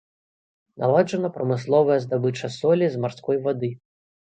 Наладжана прамысловая здабыча солі з марской вады.